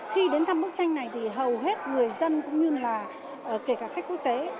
khi đến thăm bức tranh này thì hầu hết người dân cũng như là kể cả khách quốc tế